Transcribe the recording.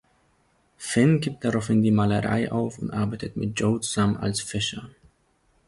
Finn gibt daraufhin die Malerei auf und arbeitet mit Joe zusammen als Fischer.